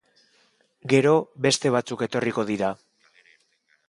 Gero, beste batzuk etorriko dira.